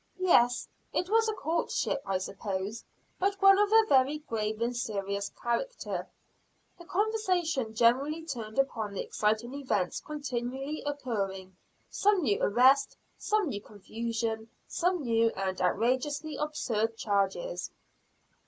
Yes, it was a courtship, I suppose; but one of a very grave and serious character. The conversation generally turned upon the exciting events continually occurring, some new arrest, some new confession, some new and outrageously absurd charges.